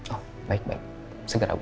oh baik baik segera bu